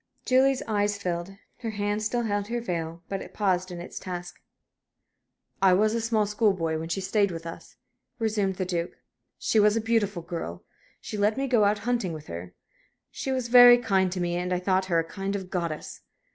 Julie's eyes filled. Her hand still held her veil, but it paused in its task. "I was a small school boy when she stayed with us," resumed the Duke. "She was a beautiful girl. She let me go out hunting with her. She was very kind to me, and I thought her a kind of goddess.